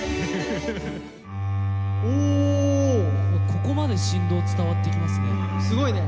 ここまで振動伝わってきますね。